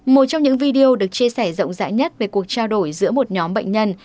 một trong những video được chia sẻ rộng rãi nhất về cuộc trao đổi giữa một nhóm bệnh nhân